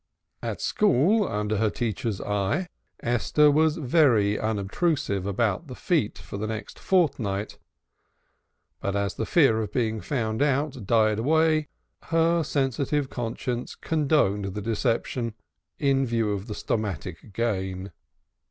At school, under her teacher's eye, Esther was very unobtrusive about the feet for the next fortnight, but as the fear of being found out died away, even her rather morbid conscience condoned the deception in view of the stomachic gain.